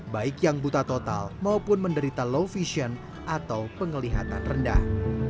baik yang buta total maupun menderita low vision atau pengelihatan rendah